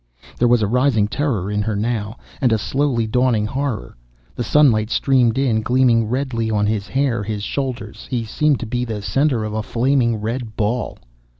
There was a rising terror in her now. And a slowly dawning horror. The sunlight streamed in, gleaming redly on his hair, his shoulders. He seemed to be the center of a flaming red ball